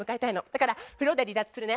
だから風呂で離脱するね。